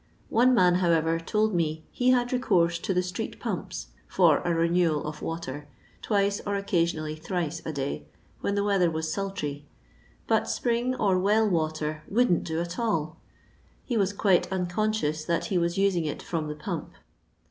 One nan, how ever, told me he had recourse to the street purope for a renewal of water, twice, or oocasiooally thrice a day, when the weather was sultry ; but spring or well water " wouldn't do at all" He was quite unconscious that he was using it from the pump.